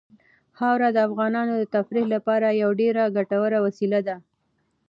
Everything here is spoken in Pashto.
خاوره د افغانانو د تفریح لپاره یوه ډېره ګټوره وسیله ده.